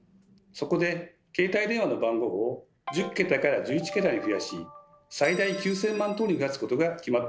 そこで携帯電話の番号を１０桁から１１桁に増やし最大９，０００万通りに増やすことが決まったんです。